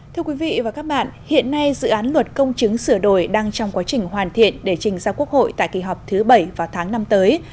thưa quý vị và các bạn hiện nay dự án luật công chứng sửa đổi đang trong quá trình hoàn thiện để trình ra quốc hội tại kỳ họp thứ bảy vào tháng năm tới